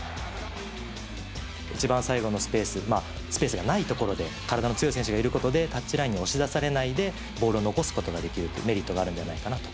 一番最後のスペース、スペースがない所で、体の強い選手がいることで、タッチラインに押し出されないでボールを残すことができるというメリットがあるんじゃないかなと。